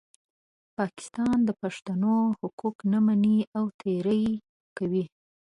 پاکستان د پښتنو حقوق نه مني او تېری کوي.